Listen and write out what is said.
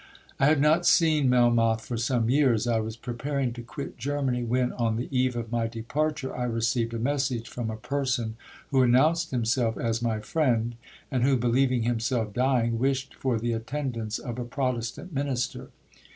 'I had not seen Melmoth for some years. I was preparing to quit Germany, when, on the eve of my departure, I received a message from a person who announced himself as my friend, and who, believing himself dying, wished for the attendance of a Protestant minister.